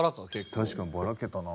確かにバラけたな。